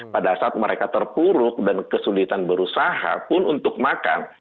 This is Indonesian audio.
pada saat mereka terpuruk dan kesulitan berusaha pun untuk makan